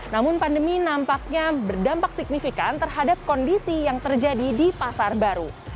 namun pandemi nampaknya berdampak signifikan terhadap kondisi yang terjadi di pasar baru